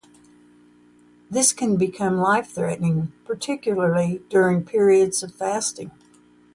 This can become life-threatening, particularly during periods of fasting.